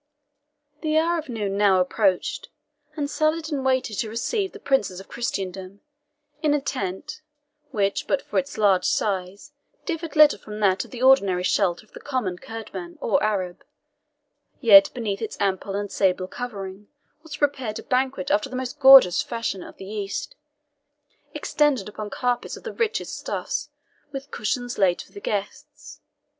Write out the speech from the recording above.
The hour of noon now approached, and Saladin waited to receive the Princes of Christendom in a tent, which, but for its large size, differed little from that of the ordinary shelter of the common Kurdman, or Arab; yet beneath its ample and sable covering was prepared a banquet after the most gorgeous fashion of the East, extended upon carpets of the richest stuffs, with cushions laid for the guests.